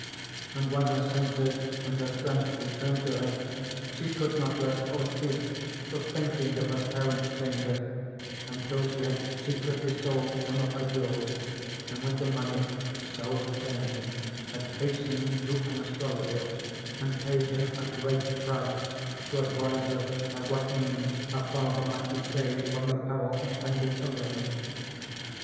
And when her senses and her strength returned to her, she could not rest or sleep for thinking of her parent's danger, until she had secretly sold some of her jewels, and with the money so obtained had hastened to an astrologer, and paid him a great price to advise her by what means her father might be saved from the peril impending over him.